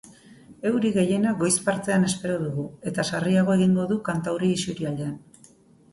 Euri gehiena goiz partean espero dugu, eta sarriago egingo du kantauri isurialdean.